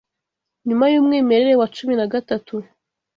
Nyuma yumwimerere wa cumi nagatatu